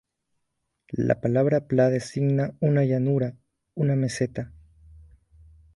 La palabra "pla" designa una llanura, una meseta.